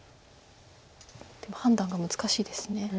でも判断が難しいです。